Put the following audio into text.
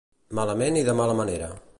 Malament i de mala manera.